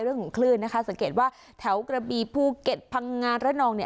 เรื่องของคลื่นนะคะสังเกตว่าแถวกระบีภูเก็ตพังงานระนองเนี่ย